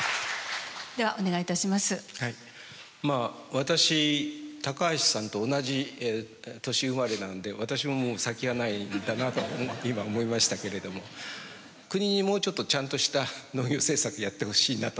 私橋さんと同じ年生まれなので私ももう先がないんだなと今思いましたけれども国にもうちょっとちゃんとした農業政策やってほしいなと。